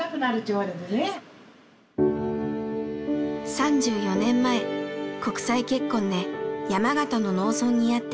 ３４年前国際結婚で山形の農村にやって来たスンちゃん。